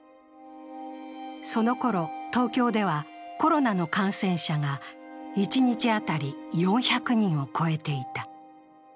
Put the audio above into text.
そのころ、東京ではコロナの感染者が一日当たり４００人を超えていた。